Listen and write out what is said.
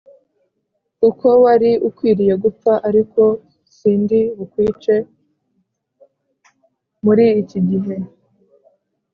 kuko wari ukwiriye gupfa ariko sindi bukwice muri iki gihe